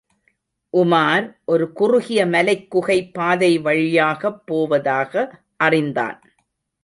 உமார் ஒரு குறுகிய மலைக் குகை பாதை வழியாகப் போவதாக அறிந்தான்.